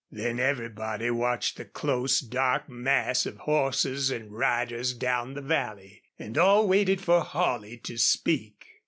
Then everybody watched the close, dark mass of horses and riders down the valley. And all waited for Holley to speak.